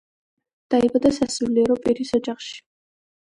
დაიბადა სასულიერო პირის ოჯახში.